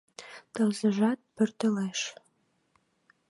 Тылзыжат пӧртылеш